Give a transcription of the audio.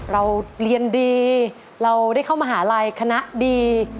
เราเรียนดีเราได้เข้ามหาลัยคณะดี